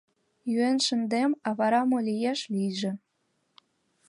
Йӱын шындем, а вара мо лиеш, лийже.